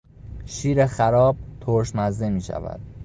شیر خراب ترش مزه میشود.